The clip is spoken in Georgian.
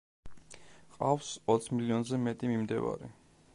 ჰყავს ოც მილიონზე მეტი მიმდევარი.